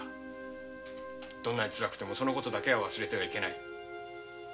どんなにつらくてもその事を忘れてはいけない。